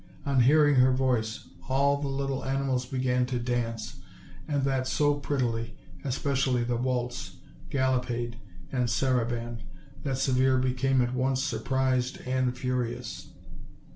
On hearing her voice, all the little animals began to dance, and that so prettily, especially the waltz, gallopade, and saraband, that Severe became at once surprised and furious.